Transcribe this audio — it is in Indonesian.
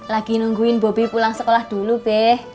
lagi nungguin bobi pulang sekolah dulu beh